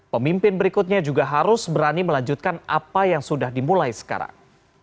pemimpin berikutnya juga harus berani melanjutkan apa yang sudah dimulai sekarang